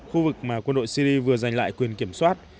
khu vực mà quân đội syri vừa giành lại quyền kiểm soát